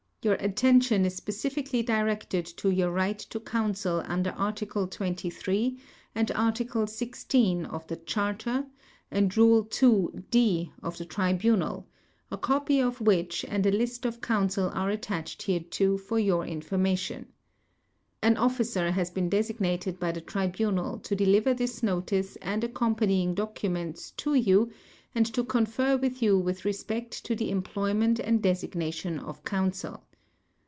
Your attention is specifically directed to your right to counsel under Article 23 and Article 16 of the Charter and Rule 2 (d) of the Tribunal, a copy of which and a list of counsel are attached hereto for your information. An officer has been designated by the Tribunal to deliver this Notice and accompanying documents to you and to confer with you with respect to the employment and designation of counsel.